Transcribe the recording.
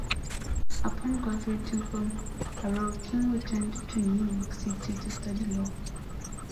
Upon graduating from Harrow, King returned to New York City to study law.